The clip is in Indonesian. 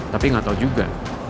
tapi gak tau juga